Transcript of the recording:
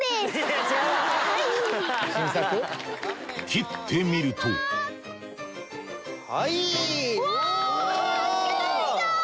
切ってみるとはいおぉ。